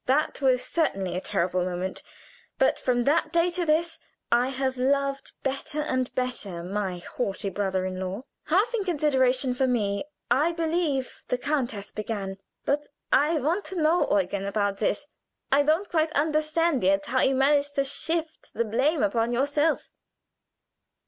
That was certainly a terrible moment, but from that day to this I have loved better and better my haughty brother in law. Half in consideration for me, I believe, the countess began: "But I want to know, Eugen, about this. I don't quite understand yet how you managed to shift the blame upon yourself."